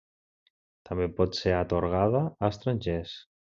També pot ser atorgada a estrangers.